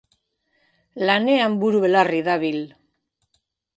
Lanean buru-belarri dabil.